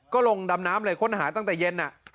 ก็ลงดำน้ำเลยค้นหาตั้งแต่เย็น